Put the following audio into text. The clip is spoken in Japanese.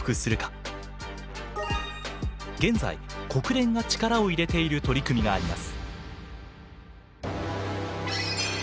現在国連が力を入れている取り組みがあります。